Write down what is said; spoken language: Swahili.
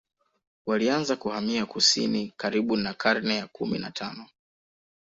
Walianza kuhamia kusini karibu na karne ya kumi na tano